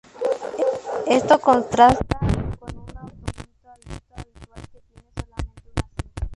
Esto contrasta con un autómata finito habitual, que tiene solamente una cinta.